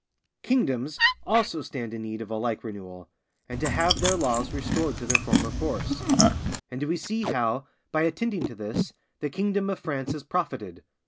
Kingdoms also stand in need of a like renewal, and to have their laws restored to their former force; and we see how, by attending to this, the kingdom of France has profited.